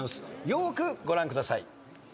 よくご覧ください。